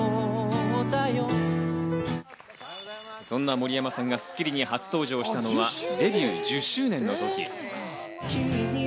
そんな森山さんが『スッキリ』に初登場したのはデビュー１０周年のとき。